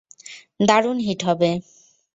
দারুণ হিট হবে।